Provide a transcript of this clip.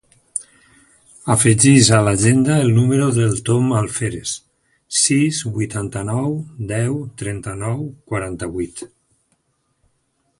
Afegeix a l'agenda el número del Tom Alferez: sis, vuitanta-nou, deu, trenta-nou, quaranta-vuit.